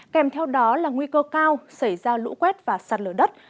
kèm theo đó là nguy cơ cao xảy ra lũ quét và sạt lở đất